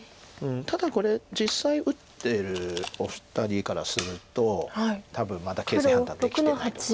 ただこれ実際打ってるお二人からすると多分まだ形勢判断できてないと思います。